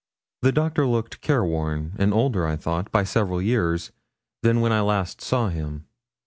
The Doctor looked careworn, and older, I thought, by several years, than when I last saw him.